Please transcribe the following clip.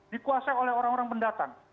dikuasai oleh orang orang pendatang